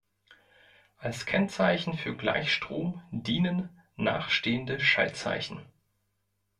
Als Kennzeichen für Gleichstrom dienen nachstehende Schaltzeichen.